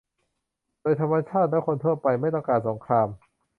โดยธรรมชาติแล้วคนทั่วไปไม่ต้องการสงคราม